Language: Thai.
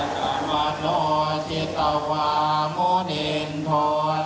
กลานิกัตตวานอันนึง